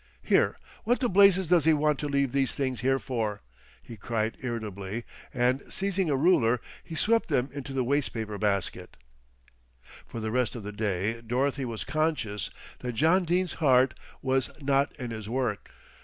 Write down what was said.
"Here, what the blazes does he want to leave these things here for," he cried irritably and, seizing a ruler, he swept them into the waste paper basket. For the rest of the day Dorothy was conscious that John Dene's heart was not in his work.